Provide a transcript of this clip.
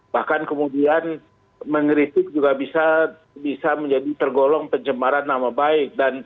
bahkan kemudian mengkritik juga bisa menjadi tergolong pencemaran nama baik